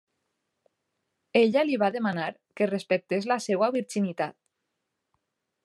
Ella li va demanar que respectés la seva virginitat.